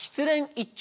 一丁。